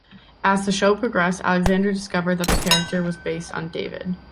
As the show progressed, Alexander discovered that the character was based on David.